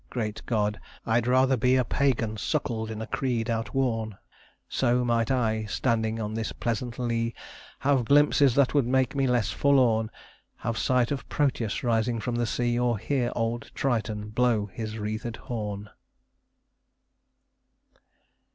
Great God! I'd rather be A Pagan suckled in a creed outworn; So might I, standing on this pleasant lea, Have glimpses that would make me less forlorn, Have sight of Proteus rising from the sea; Or hear old Triton blow his wreathed horn."